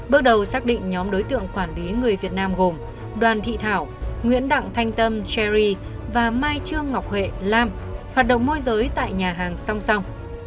bước đầu xác định nhóm đối tượng quản lý người việt nam gồm đoàn thị thảo nguyễn đặng thanh tâm cherry và mai trương ngọc huệ lam hoạt động môi giới tại nhà hàng song song